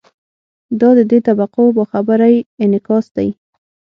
دا د دې طبقو باخبرۍ انعکاس دی.